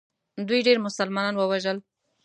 دوی ډېر مسلمانان ووژل.